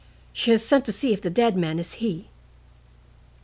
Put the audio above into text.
She has sent to see if the dead man is he."